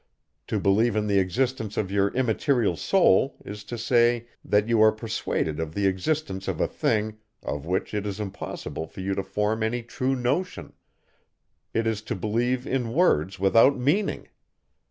To believe in the existence of your immaterial soul, is to say, that you are persuaded of the existence of a thing, of which it is impossible for you to form any true notion; it is to believe in words without meaning.